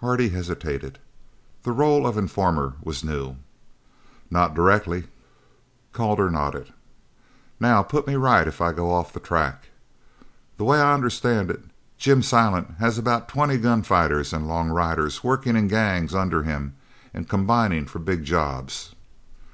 Hardy hesitated. The rôle of informer was new. "Not directly." Calder nodded. "Now put me right if I go off the track. The way I understand it, Jim Silent has about twenty gun fighters and long riders working in gangs under him and combining for big jobs."